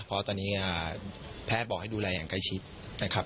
เพราะตอนนี้แพทย์บอกให้ดูแลอย่างใกล้ชิดนะครับ